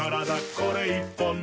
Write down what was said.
これ１本で」